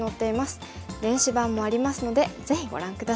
電子版もありますのでぜひご覧下さい。